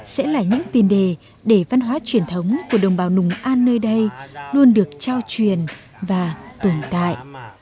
sẽ là những tiền đề để văn hóa truyền thống của đồng bào nùng an nơi đây luôn được trao truyền và tồn tại